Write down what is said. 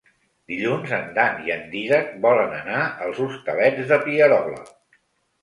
Dilluns en Dan i en Dídac volen anar als Hostalets de Pierola.